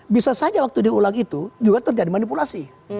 bisa saja waktu diulang itu juga terjadi manipulasi